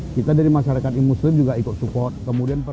kita dari masyarakat muslim juga ikut support